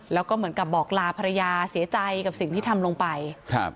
แล้วก็เหมือนกับบอกลาภรรยาเสียใจกับสิ่งที่ทำลงไปครับ